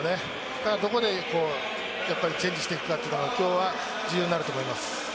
どこでチェンジしていくかというのが今日は重要になると思います。